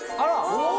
お！